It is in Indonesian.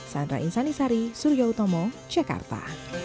sandra insanisari surya utomo jakarta